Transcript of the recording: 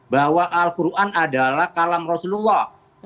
bahwa al quran adalah kalam rasulullah